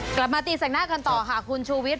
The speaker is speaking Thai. กลับมาตีแสกหน้ากันต่อค่ะคุณชูวิทย